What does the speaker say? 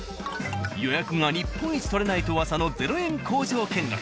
［予約が日本一取れないと噂の０円工場見学］